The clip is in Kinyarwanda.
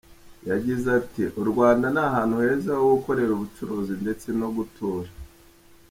Yagize ati “U Rwanda ni ahantu heza ho gukorera ubucuruzi ndetse no gutura.